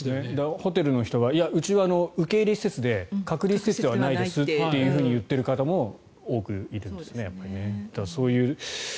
ホテルの人はうちは受け入れ施設で隔離施設ではないですと言っている方も多くいるんですよね。